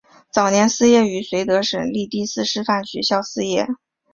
早年肄业于绥德省立第四师范学校肄业。